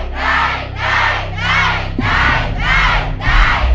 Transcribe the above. ได้